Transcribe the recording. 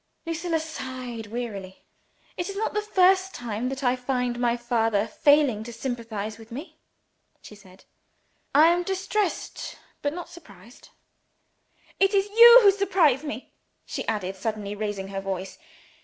Lucilla sighed wearily. "It is not the first time that I find my father failing to sympathize with me," she said. "I am distressed but not surprised. It is you who surprise me!" she added, suddenly raising her voice.